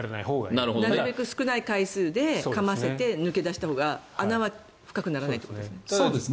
なるべく少ない回数でかませて、抜け出したほうが穴は深くならないということですね。